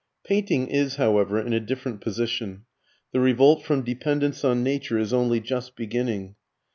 Painting is, however, in a different position. The revolt from dependence on nature is only just beginning.